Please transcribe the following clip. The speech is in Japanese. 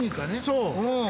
そう。